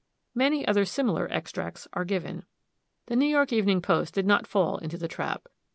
Many other similar extracts are given. The New York Evening Post did not fall into the trap.